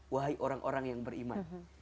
wahai orang orang yang beriman